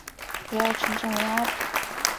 主要城镇为阿普。